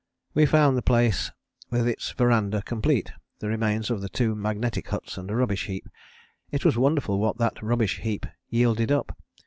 We found the place with its verandah complete, the remains of the two magnetic huts and a rubbish heap. It was wonderful what that rubbish heap yielded up.